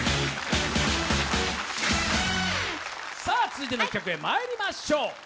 さあ続いての企画にまいりましょう。